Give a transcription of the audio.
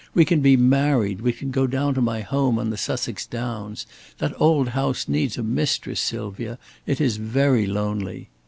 We can be married, we can go down to my home on the Sussex Downs. That old house needs a mistress, Sylvia. It is very lonely."